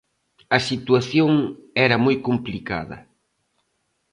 A situación era moi complicada.